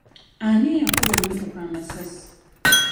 Ani yakuba emmotoka amasasi?